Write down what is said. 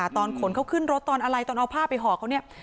ตอนขนเขาขึ้นรถตอนอะไรตอนเอาผ้าไปห่อเขาเนี่ย